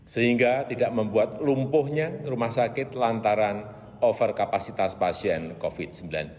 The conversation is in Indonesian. sehingga tidak membuat lumpuhnya rumah sakit lantaran over kapasitas pasien covid sembilan belas